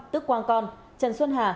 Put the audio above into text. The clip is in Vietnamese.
tức quang con trần xuân hà